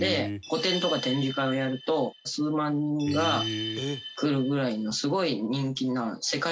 個展とか展示会をやると数万人が来るぐらいのすごい人気な。